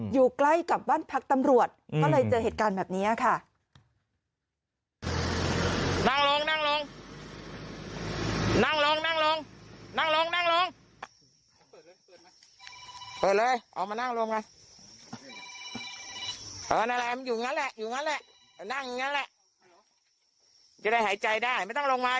อยู่ใกล้กับบ้านพักตำรวจก็เลยเจอเหตุการณ์แบบนี้ค่ะ